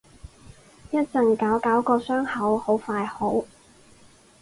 一陣搞搞個傷口，好快好